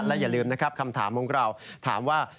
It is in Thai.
และอย่าลืมนะครับคำถามของเราถามว่า